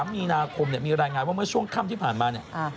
มีนาคมมีรายงานว่าเมื่อช่วงค่ำที่ผ่านมาเนี่ย